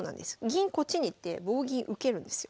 銀こっちに行って棒銀受けるんですよ。